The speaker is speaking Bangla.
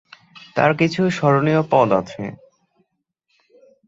তার কিছু স্মরনীয় পদ আছে।